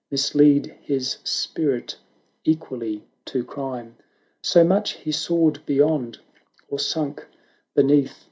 Mislead his spirit equally to crime; So much he soared beyond, or sunk beneath.